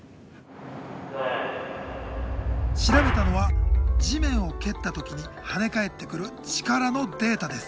調べたのは地面を蹴った時に跳ね返ってくる力のデータです。